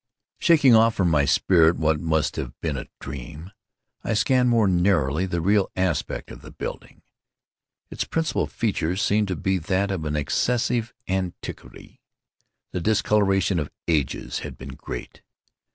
Shaking off from my spirit what must have been a dream, I scanned more narrowly the real aspect of the building. Its principal feature seemed to be that of an excessive antiquity. The discoloration of ages had been great.